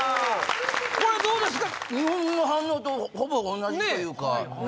これどうですか？